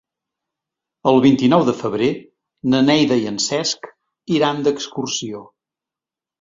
El vint-i-nou de febrer na Neida i en Cesc iran d'excursió.